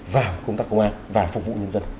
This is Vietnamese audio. vào công tác công an và phục vụ nhân dân